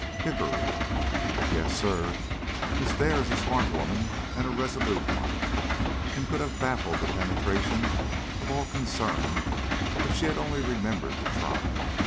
"Hickory!" "Yes, sir! Miss Dare is a smart woman, and a resolute one, and could have baffled the penetration of all concerned if she had only remembered to try.